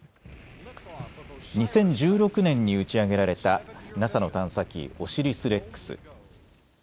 ２０１６年に打ち上げられたＮＡＳＡの探査機、オシリス・レックス。